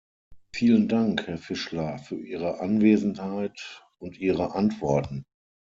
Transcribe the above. Vielen Dank, Herr Fischler, für Ihre Anwesenheit und Ihre Antworten.